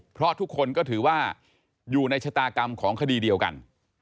เพราะทุกคนก็ถือว่าอยู่ในชะตากรรมของคดีเดียวกัน